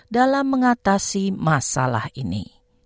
dalam mengatasi masalah ini